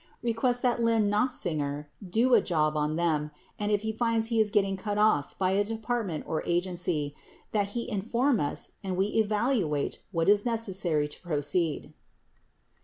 Request that Lyn [Nofziger] "do a job" on them and if he finds he is getting cut off by a department or agency, that he inform us and we evaluate what is necessary to proceed.